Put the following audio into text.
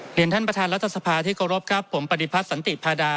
เรียนท่านประธานรัฐสภาที่เคารพครับผมปฏิพัฒน์สันติพาดา